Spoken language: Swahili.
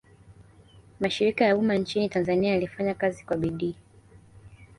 mashirika ya umma nchini tanzania yalifanya kazi kwa bidii